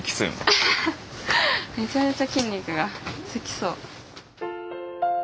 アハハッめちゃめちゃ筋肉がつきそう。